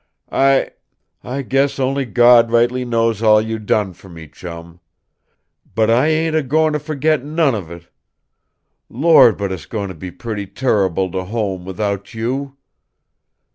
I I guess only Gawd rightly knows all you done fer me, Chum. But I ain't a goin' to ferget none of it. Lord, but it's goin' to be pretty turrible, to home, without you!"